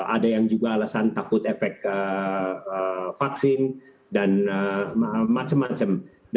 ada yang juga alasan takut efek vaksin dan macam macam